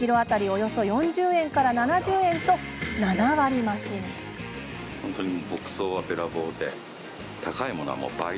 およそ４０円から７０円と７割増しに。